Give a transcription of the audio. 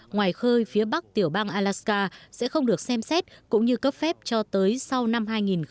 ngoài khơi phía bắc tiểu bang alaska sẽ không được xem xét cũng như cấp phép cho tới sau năm hai nghìn hai mươi